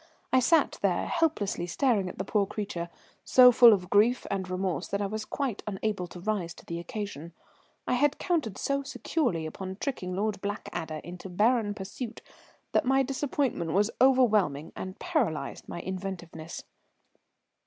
I sat there helplessly staring at the poor creature, so full of grief and remorse that I was quite unable to rise to the occasion. I had counted so securely upon tricking Lord Blackadder into a barren pursuit that my disappointment was overwhelming and paralyzed my inventiveness.